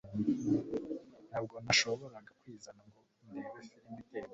ntabwo nashoboraga kwizana ngo ndebe firime iteye ubwoba